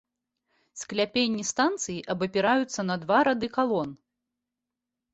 Скляпенні станцыі абапіраюцца на два рады калон.